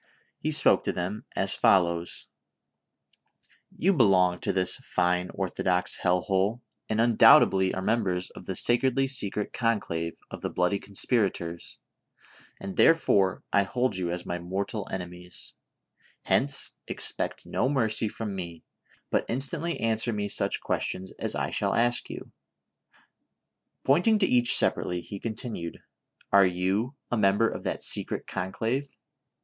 He spoke to them as follows : "You belong to this fine orthodox hell hole, and un doubtedly are members of the sacredly secret conclave of the bloody conspirators^ and therefore I hold you as my mortal enemies ; hence, expect no mercy from me, but instantly answer me such questions as I shall ask you ;" pointing to each separately, he continued : "Are you a member of that secret conclave?